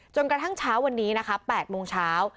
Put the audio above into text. กระทั่งเช้าวันนี้นะคะ๘โมงเช้า